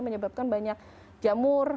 menyebabkan banyak jamur